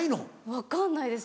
分かんないです